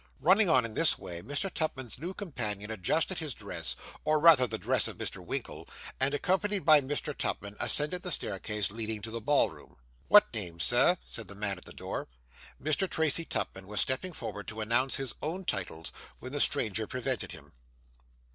Running on in this way, Mr. Tupman's new companion adjusted his dress, or rather the dress of Mr. Winkle; and, accompanied by Mr. Tupman, ascended the staircase leading to the ballroom. 'What names, sir?' said the man at the door. Mr. Tracy Tupman was stepping forward to announce his own titles, when the stranger prevented him.